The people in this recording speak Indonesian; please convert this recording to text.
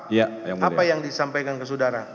iya yang mulia apa yang disampaikan ke saudara